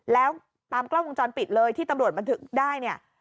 แล้วตามกล้องวงจรปิดเลยที่ตำรวจบันทึกได้เนี่ย